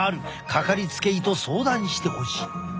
掛かりつけ医と相談してほしい。